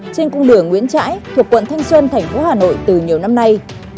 trên cung đường nguyễn trãi thuộc quận thanh xuân thành phố hà nội từ nhiều năm nay